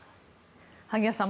萩谷さん